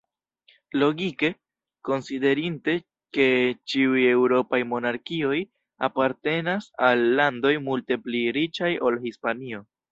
Logike, konsiderinte ke ĉiuj eŭropaj monarkioj apartenas al landoj multe pli riĉaj ol Hispanio.